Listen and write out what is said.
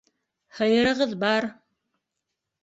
Һыйырығыҙ бар.